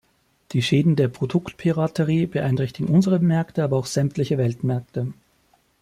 Die Schäden der Produktpiraterie beeinträchtigen unsere Märkte, aber auch sämtliche Weltmärkte.